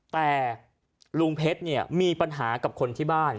แต่ลุงเพชรเนี่ยมีปัญหากับคนที่บ้าน